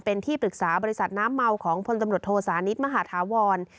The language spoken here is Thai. เป็นที่ปรึกษาบริษัทน้ำเมาของพลตำรวจโทสานิทมหาธาวร